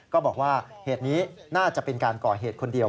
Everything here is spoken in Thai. ก็บอกว่าเหตุนี้น่าจะเป็นการก่อเหตุคนเดียว